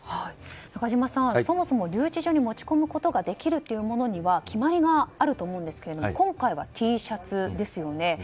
中島さん、そもそも留置場に持ち込むことができるというものには決まりがあると思うんですが今回はＴシャツですよね。